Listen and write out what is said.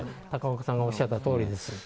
高岡さんがおっしゃったとおりです。